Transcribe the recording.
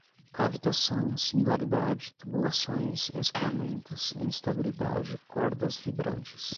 cavitação, similaridade, tubulações, escoamentos, instabilidade, cordas vibrantes